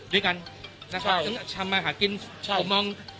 ด้วยกันนะครับซึ่งทำมาหากินใช่ผมมอง